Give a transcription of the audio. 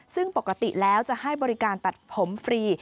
ซึ่งปกติแล้วจะให้บริการตัดผมฟรี